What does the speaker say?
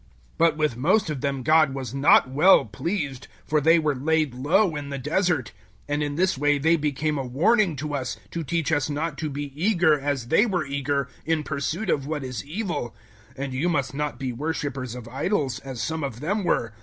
010:005 But with most of them God was not well pleased; for they were laid low in the Desert. 010:006 And in this they became a warning to us, to teach us not to be eager, as they were eager, in pursuit of what is evil. 010:007 And you must not be worshippers of idols, as some of them were.